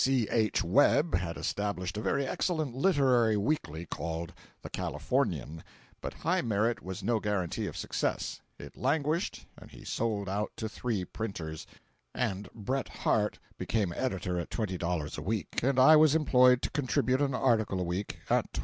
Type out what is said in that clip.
C. H. Webb had established a very excellent literary weekly called the Californian, but high merit was no guaranty of success; it languished, and he sold out to three printers, and Bret Harte became editor at $20 a week, and I was employed to contribute an article a week at $12.